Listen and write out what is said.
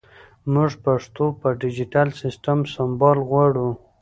مونږ پښتو په ډیجېټل سیسټم سمبال غواړو